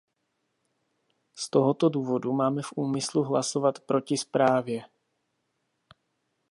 Z tohoto důvodu máme v úmyslu hlasovat proti zprávě.